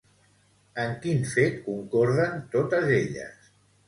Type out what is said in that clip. En quin fet concorden totes elles?